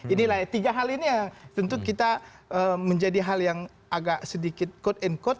inilah tiga hal ini yang tentu kita menjadi hal yang agak sedikit quote and quote